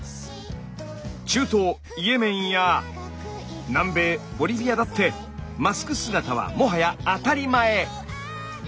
中東イエメンや南米ボリビアだってマスク姿はもはや当たり前。